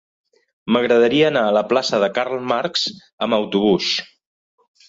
M'agradaria anar a la plaça de Karl Marx amb autobús.